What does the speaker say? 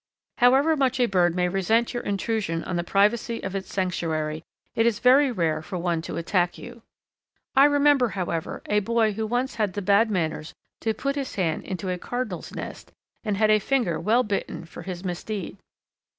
However much a bird may resent your intrusion on the privacy of its sanctuary, it is very rare for one to attack you. I remember, however, a boy who once had the bad manners to put his hand into a Cardinal's nest and had a finger well bitten for his misdeed.